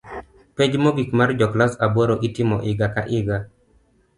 Penj mogik mar jo klas aboro itimo iga ka iga